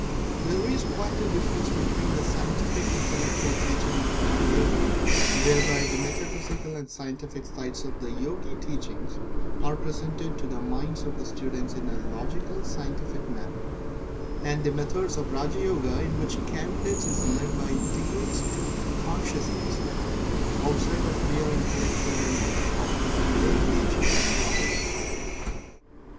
There is quite a difference between the scientific, intellectual teaching of Gnani Yoga, whereby the metaphysical and scientific sides of the Yogi teachings are presented to the minds of the students, in a logical, scientific manner, and the methods of Raja Yoga, in which the Candidate is led by degrees to a consciousness (outside of mere intellectual belief) of his real nature and powers.